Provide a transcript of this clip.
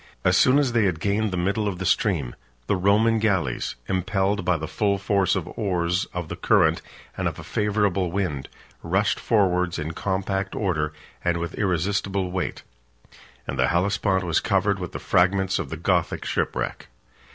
As soon as they had gained the middle of the stream, the Roman galleys, 37 impelled by the full force of oars, of the current, and of a favorable wind, rushed forwards in compact order, and with irresistible weight; and the Hellespont was covered with the fragments of the Gothic shipwreck.